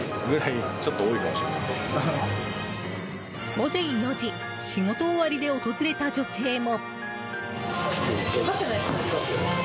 午前４時仕事終わりで訪れた女性も。